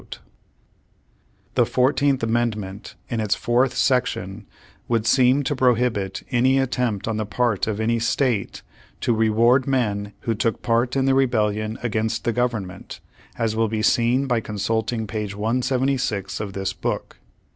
Page One Htindred eighty nine The Fourteenth Amendment in its fourth sec tion, would seem to prohibit any attempt on the part of any state, to reward men who took part in the Rebellion against the Government, as will be seen by consulting page 176 of this book.